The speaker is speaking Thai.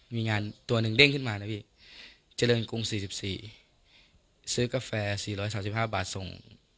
มีงานตัวหนึ่งเด้งขึ้นมานะพี่เจริญกรุงสี่สิบสี่ซื้อกาแฟสี่ร้อยสามสิบห้าบาทส่ง